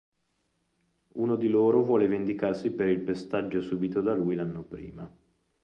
Uno di loro vuole vendicarsi per il pestaggio subito da lui l'anno prima.